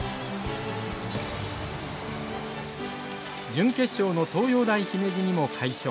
準決勝の東洋大姫路にも快勝。